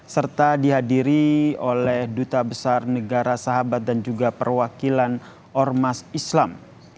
serta dihadiri oleh duta besar negara sahabat dan juga perwakilan ormas islam